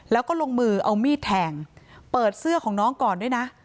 แล้วก็ลงมือเอามีดแทงเปิดเสื้อของน้องก่อนด้วยนะ